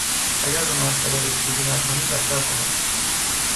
اگر به مسئله رسیدگی نکنی، بدتر خواهد شد.